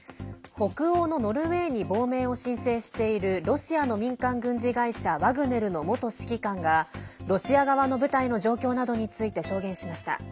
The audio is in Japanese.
北欧のノルウェーに亡命を申請しているロシアの民間軍事会社ワグネルの元指揮官がロシア側の部隊の状況などについて証言しました。